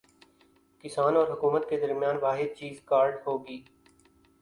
کسان اور حکومت کے درمیان واحد چیز کارڈ ہوگی